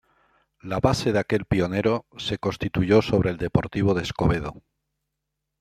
La base de aquel pionero, se constituyó sobre el Deportivo de Escobedo.